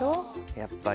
やっぱり。